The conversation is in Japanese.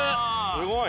すごい！